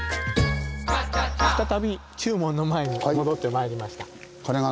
再び中門の前に戻ってまいりました。